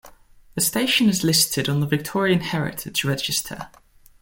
The station is listed on the Victorian Heritage Register.